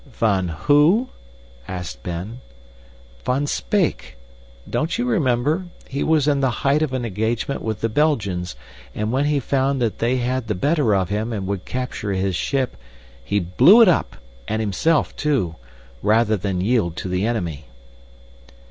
"Van WHO?" asked Ben. "Van Speyk. Don't you remember? He was in the height of an engagement with the Belgians, and when he found that they had the better of him and would capture his ship, he blew it up, and himself, too, rather than yield to the enemy."